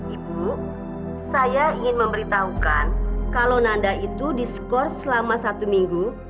ibu saya ingin memberitahukan kalau nanda itu diskors selama satu minggu